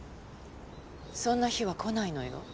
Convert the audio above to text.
そんな日は来ないのよ